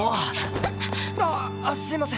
ああっすいませ。